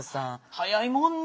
早いもんね。